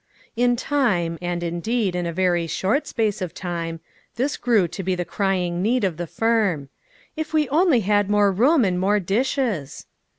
In time, and indeed in a very short space of time, this grew to be the crying need of the firm :" If we only had more room, and more dishes!